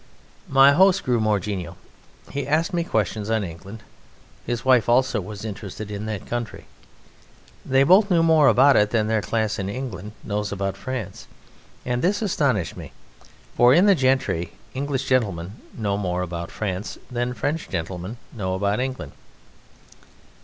My host grew more genial: he asked me questions on England. His wife also was interested in that country. They both knew more about it than their class in England knows about France: and this astonished me, for, in the gentry, English gentlemen know more about France than French gentlemen know about England.